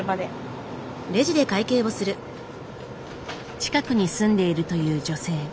近くに住んでいるという女性。